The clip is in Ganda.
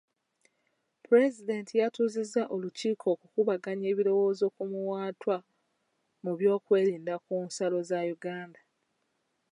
Pulezidenti yatuuzizza olukiiko okukubaganya ebirowoozo ku miwaatwa mu byokwerinda ku nsalo za Uganda.